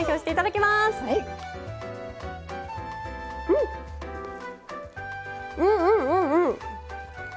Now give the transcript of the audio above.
うんうんうんうん。